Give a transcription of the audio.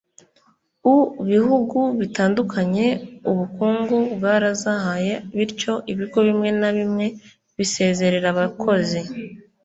u bihugu bitandukanye ubukungu bwarazahaye, bityo ibigo bimwe na bimwe bisezerera abakozi,